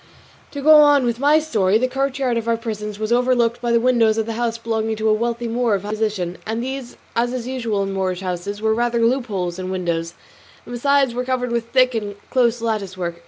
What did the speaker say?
To go on with my story; the courtyard of our prison was overlooked by the windows of the house belonging to a wealthy Moor of high position; and these, as is usual in Moorish houses, were rather loopholes than windows, and besides were covered with thick and close lattice work.